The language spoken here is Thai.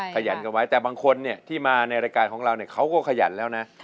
ขยันกันไว้แต่บางคนที่มาในรายการของเราเขาก็ขยันแล้วนะ